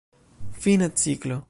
Fina ciklo.